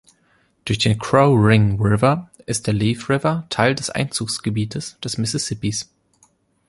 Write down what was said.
Durch den Crow Wing River ist der Leaf River Teil des Einzugsgebietes des Mississippis.